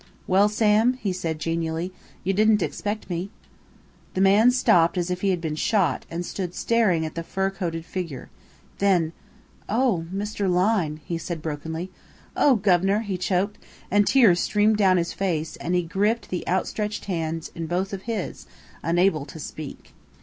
"Well, Sam," he said, genially "you didn't expect me?" The man stopped as if he had been shot, and stood staring at the fur coated figure. Then: "Oh, Mr. Lyne," he said brokenly. "Oh, guv'nor!" he choked, and tears streamed down his face, and he gripped the outstretched hand in both of his, unable to speak.